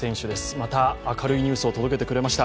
また明るいニュースを届けてくれました。